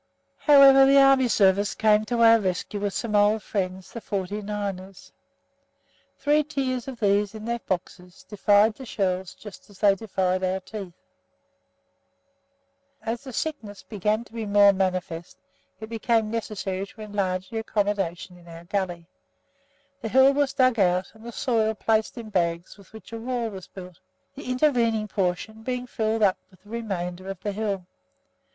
However, the Army Service came to our rescue with some old friends, the "forty niners." Three tiers of these in their boxes defied the shells just as they defied our teeth. As the sickness began to be more manifest, it became necessary to enlarge the accommodation in our gully. The hill was dug out, and the soil placed in bags with which a wall was built, the intervening portion being filled up with the remainder of the hill.